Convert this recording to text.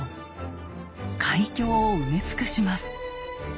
海峡を埋め尽くします。